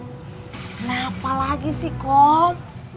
kenapa lagi sih kom